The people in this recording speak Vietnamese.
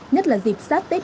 nhất là dịp sát tên